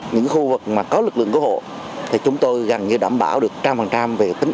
những khu vực mà có lực lượng cứu hộ thì chúng tôi gần như đảm bảo được trăm phần trăm về tính